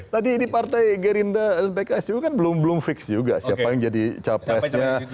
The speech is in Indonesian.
tadi di partai gerinda lpksu kan belum fix juga siapa yang jadi capres